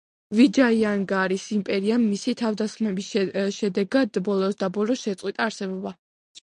ვიჯაიანაგარის იმპერიამ მისი თავდასხმების შედეგად, ბოლოსდაბოლოს, შეწყვიტა არსებობა.